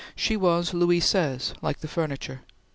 She was Louis Seize, like the furniture.